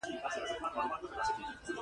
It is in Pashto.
ريښې د اوبو جذبولو لپاره ژورې ځمکې ته رسېږي